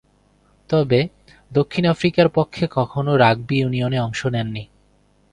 তবে, দক্ষিণ আফ্রিকার পক্ষে কখনো রাগবি ইউনিয়নে অংশ নেননি।